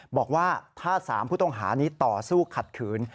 บอกว่าถ้า๓ผู้ต้องหานี้ต่อสู้ขัดขืน